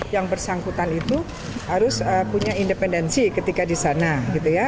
yang bersangkutan itu harus punya independensi ketika di sana gitu ya